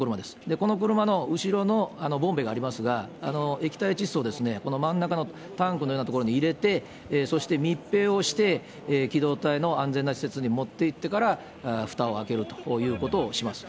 この車の後ろのボンベがありますが、液体窒素をですね、この真ん中のタンクのような所に入れて、そして密閉をして、機動隊の安全な施設に持っていってから、ふたを開けるということをします。